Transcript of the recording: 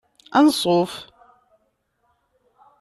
Anṣuf.